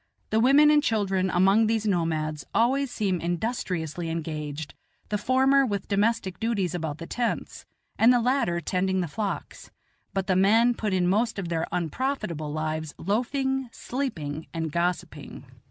The women and children among these nomads always seem industriously engaged, the former with domestic duties about the tents, and the latter tending the flocks; but the men put in most of their unprofitable lives loafing, sleeping, and gossiping.